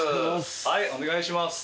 はいお願いします！